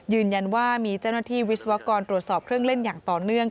ยืนยันว่ามีเจ้าหน้าที่วิศวกรตรวจสอบเครื่องเล่นอย่างต่อเนื่อง